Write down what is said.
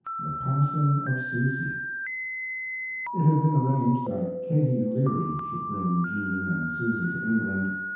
THE PASSING OF SUSY It had been arranged that Katie Leary should bring Jean and Susy to England.